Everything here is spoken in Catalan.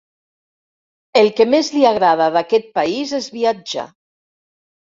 El que més li agrada d'aquest país és viatjar.